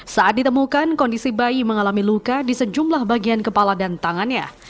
saat ditemukan kondisi bayi mengalami luka di sejumlah bagian kepala dan tangannya